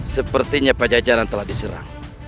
sepertinya pejajaran telah diserang